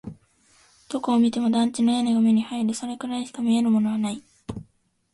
どこを見ても団地の屋根が目に入る。それくらいしか見えるものはない。